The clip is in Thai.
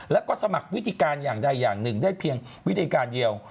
แล้วก็สมัครวิธีการอย่างใดอย่างหนึ่งได้เพียงวิธีการเดียว